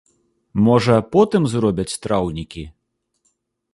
Можа, потым зробяць траўнікі?